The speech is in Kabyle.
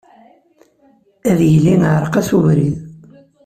Ad yili iɛreq-as ubrid.